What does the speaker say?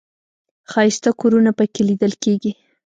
ښایسته کورونه په کې لیدل کېږي.